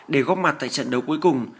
để góc mặt tại trận đấu cuối cùng